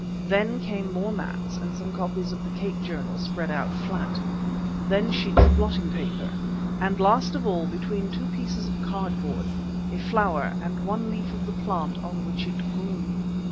Then came more mats and some copies of The Cape Journal spread out flat. Then sheets of blotting paper, and last of all between two pieces of cardboard, a flower and one leaf of the plant on which it grew.